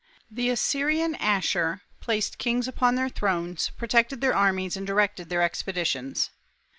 The Assyrian Asshur placed kings upon their thrones, protected their armies, and directed their expeditions.